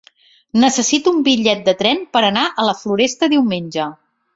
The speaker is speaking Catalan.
Necessito un bitllet de tren per anar a la Floresta diumenge.